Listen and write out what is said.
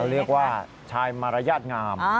เรียกว่าชายมารยาทงาม